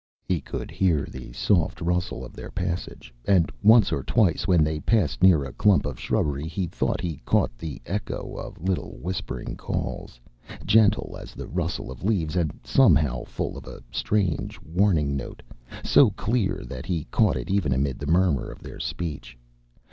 He could hear the soft rustle of their passage, and once or twice when they passed near a clump of shrubbery he thought he caught the echo of little whispering calls, gentle as the rustle of leaves and somehow full of a strange warning note so clear that he caught it even amid the murmur of their speech.